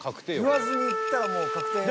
［言わずにいったらもう確定よ］